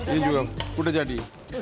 ini juga sudah jadi